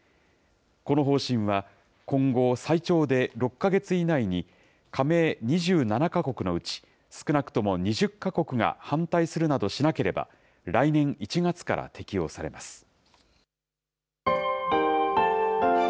この方針は今後、最長で６か月以内に加盟２７か国のうち、少なくとも２０か国が反対するなどしなければ、来年１月から適用されます。